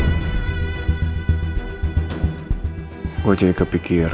aku sudah berpikir